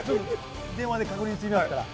電話で確認してみますから。